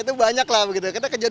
itu banyak lah begitu